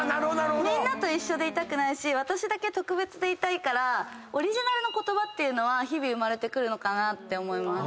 みんなと一緒でいたくないし私だけ特別でいたいからオリジナルの言葉は日々生まれてくるのかなって思います。